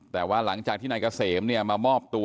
แต่ว่าหลังจากที่นายเกษมมามอบตัว